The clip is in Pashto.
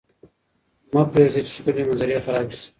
مه پرېږدئ چې ښکلې منظرې خرابې شي.